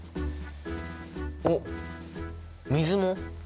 おっ水も？